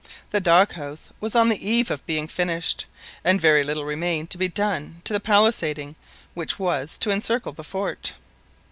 The dog house was on the eve of being finished, and very little remained to be done to the palisading which was, to encircle the fort.